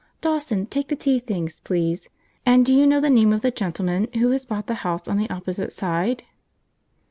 Dawson, take the tea things, please; and do you know the name of the gentleman who has bought the house on the opposite side?"